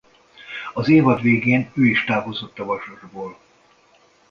Az évad végén ő is távozott a Vasasból.